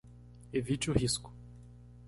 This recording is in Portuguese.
Evite o risco